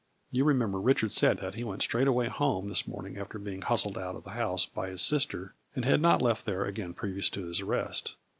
You remem ber Richard said that he went straight away home this morning after being hustled out of the house by his sister, and had not left there again previous to his arrest.